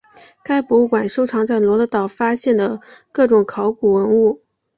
该博物馆收藏在罗得岛发现的各种考古文物。